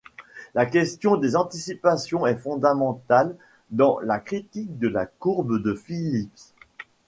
La question des anticipations est fondamentale dans la critique de la courbe de Phillips.